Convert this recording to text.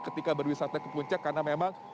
ketika berwisata ke puncak karena memang